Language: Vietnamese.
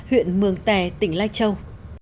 huyện mường tè tỉnh lai châu